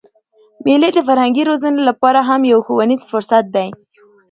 مېلې د فرهنګي روزني له پاره هم یو ښوونیز فرصت دئ.